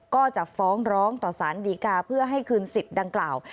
ก็จะฟ้องร้องต่อสารดีกาเพื่อให้คืนสิทธิ์ดังกล่าว